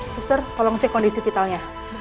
suster tolong cek kondisi vitalnya